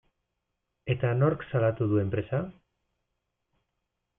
Eta nork salatu du enpresa?